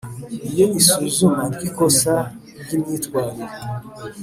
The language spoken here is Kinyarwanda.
Iyo isuzuma ry ikosa ry imyitwarire